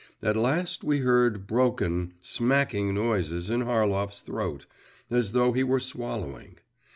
At last we heard broken, smacking noises in Harlov's throat, as though he were swallowing.